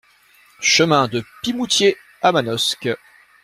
Chemin de Pimoutier à Manosque